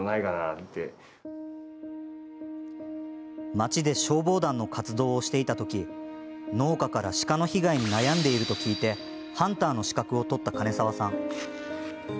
町で消防団の活動をしていた時農家から鹿の被害に悩んでいると聞いてハンターの資格を取った兼澤さん。